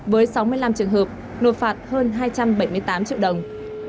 với sáu mươi năm trường hợp nộp phạt hơn hai trăm bảy mươi tám triệu đồng